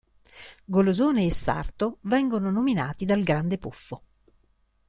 Golosone e Sarto vengono nominati dal Grande Puffo.